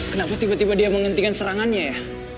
kenapa tiba tiba dia menghentikan serangannya ya